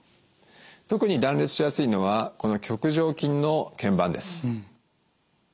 特に断裂しやすいのはこの棘上筋の腱板です。